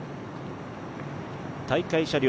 大会車両